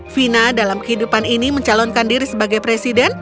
fina dalam kehidupan ini mencalonkan diri sebagai presiden